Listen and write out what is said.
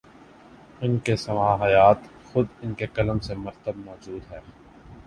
ان کی سوانح حیات، خود ان کے قلم سے مرتب موجود ہے۔